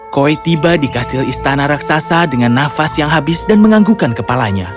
koi tiba di kastil istana raksasa dengan nafas yang habis dan menganggukkan kepalanya